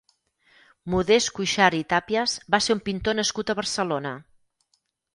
Modest Cuixart i Tàpies va ser un pintor nascut a Barcelona.